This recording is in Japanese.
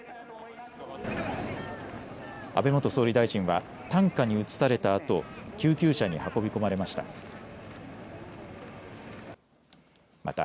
安倍元総理大臣は担架に移されたあと救急車に運び込まれました。